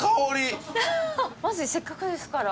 まずせっかくですから。